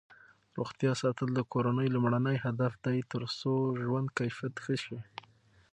روغتیا ساتل د کورنۍ لومړنی هدف دی ترڅو ژوند کیفیت ښه شي.